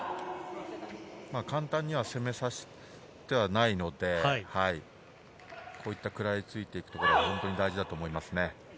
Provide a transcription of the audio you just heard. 簡単には攻めさせてはいないので、食らいついていくところが本当に大事だと思いますね。